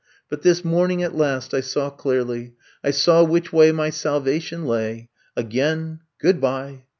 But this morning, at last, I saw clearly, I saw wMch way my salvation lay. Again, goodby.